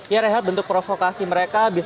ya rehat bentuk provokasi mereka